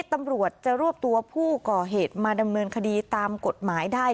ตำรวจจะรวบตัวผู้ก่อเหตุมาดำเนินคดีตามกฎหมายได้